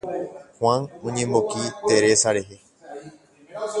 Juan oñemboki Teresa rehe.